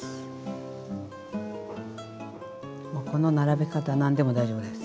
もうこの並べ方何でも大丈夫です。